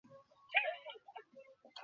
Mark, Keith, যন্ত্রণা ভোগ করো।